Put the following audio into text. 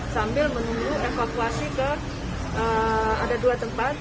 sambil menunggu evakuasi ke ada dua tempat